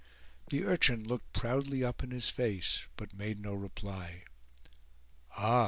The urchin looked proudly up in his face, but made no reply. "Ah!